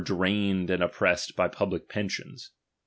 dramed and oppressed by public pensions.